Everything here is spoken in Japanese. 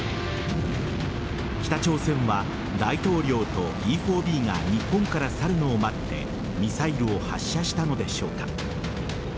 北朝鮮は大統領とＥ‐４Ｂが日本から去るのを待ってミサイルを発射したのでしょうか。